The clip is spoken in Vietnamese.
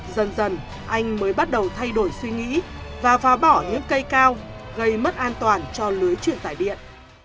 dần dần anh mới bắt đầu thay đổi suy nghĩ và phá bỏ những cây cao gây mất an toàn cho lưới truyền tài điện